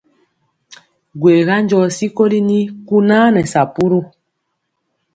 Gwega njɔ sikoli nii kunaa nɛ sapuru!